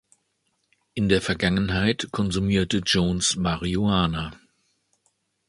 In der Vergangenheit konsumierte Jones Marihuana.